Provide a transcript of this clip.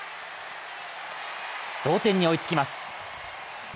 同点に追いつきます。